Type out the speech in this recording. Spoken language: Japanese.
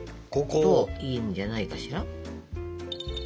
ここ？といいんじゃないかしら？